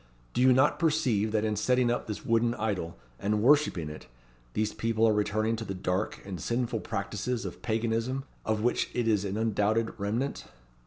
Do you not perceive that in setting up this wooden idol, and worshipping it, these people are returning to the dark and sinful practices of Paganism of which it is an undoubted remnant?